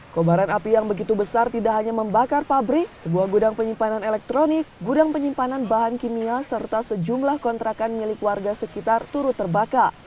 kobaran api yang begitu besar tidak hanya membakar pabrik sebuah gudang penyimpanan elektronik gudang penyimpanan bahan kimia serta sejumlah kontrakan milik warga sekitar turut terbakar